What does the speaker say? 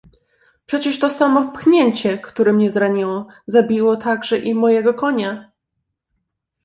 "Przecież to samo pchnięcie, które mnie zraniło, zabiło także i mojego konia!"